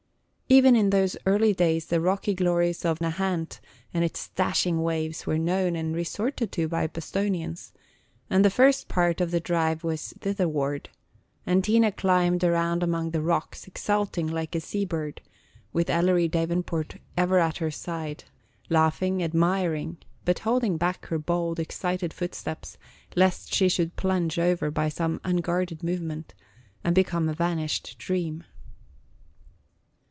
Even in those early days the rocky glories of Nahant and its dashing waves were known and resorted to by Bostonians, and the first part of the drive was thitherward, and Tina climbed round among the rocks, exulting like a sea bird with Ellery Davenport ever at her side, laughing, admiring, but holding back her bold, excited footsteps, lest she should plunge over by some unguarded movement, and become a vanished dream.